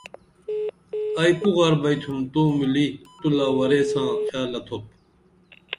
ائی کُو غر بئتُھم تو ملی تو لا ورے ساں خیالہ تُھپ